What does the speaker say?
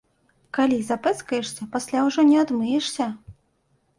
Калі запэцкаешся, пасля ўжо не адмыешся.